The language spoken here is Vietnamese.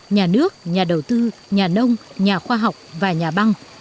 nhà nước nhà đầu tư nhà nông nhà khoa học và nhà băng